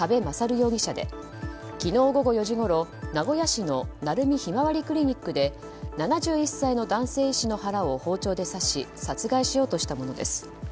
容疑者で昨日午後４時ごろ、名古屋市の鳴海ひまわりクリニックで７１歳の男性医師の腹を包丁で刺し殺害しようとしたものです。